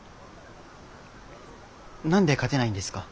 何で勝てないんですか？